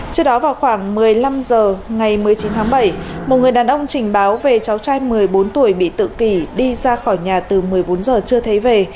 trước đó vào khoảng một mươi năm h ngày một mươi chín tháng bảy một người đàn ông trình báo về cháu trai một mươi bốn tuổi bị tự kỷ đi ra khỏi nhà từ một mươi bốn h chưa thấy về